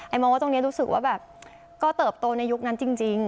มองว่าตรงนี้รู้สึกว่าแบบก็เติบโตในยุคนั้นจริง